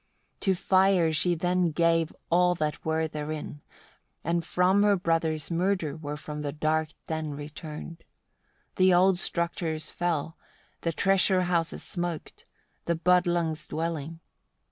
42. To fire she then gave all that were therein, and from her brothers' murder were from the dark den returned. The old structures fell, the treasure houses smoked, the Budlungs' dwelling.